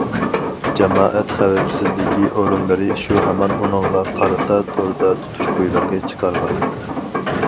جامائەت خەۋپسىزلىكى ئورۇنلىرى شۇ ھامان ئۇنىڭغا قارىتا توردا تۇتۇش بۇيرۇقى چىقارغان.